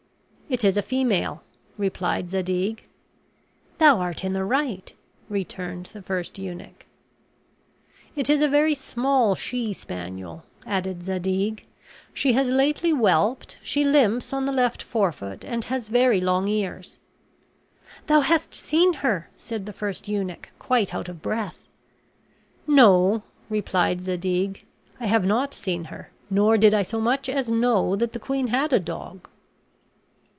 "It is a female," replied Zadig. "Thou art in the right," returned the first eunuch. "It is a very small she spaniel," added Zadig; "she has lately whelped; she limps on the left forefoot, and has very long ears." "Thou hast seen her," said the first eunuch, quite out of breath. "No," replied Zadig, "I have not seen her, nor did I so much as know that the queen had a dog."